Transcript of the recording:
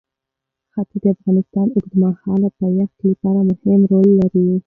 ښتې د افغانستان د اوږدمهاله پایښت لپاره مهم رول لري.